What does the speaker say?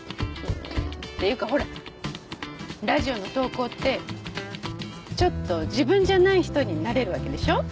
っていうかほらラジオの投稿ってちょっと自分じゃない人になれるわけでしょ？